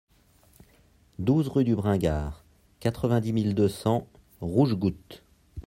douze rue du Bringard, quatre-vingt-dix mille deux cents Rougegoutte